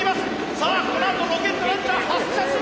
さあこのあとロケットランチャー発射するか！